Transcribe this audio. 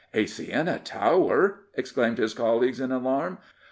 " A Siena tower I exclaimed his colleagues in alarm.